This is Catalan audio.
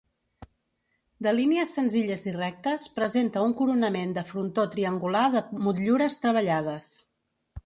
De línies senzilles i rectes, presenta un coronament de frontó triangular de motllures treballades.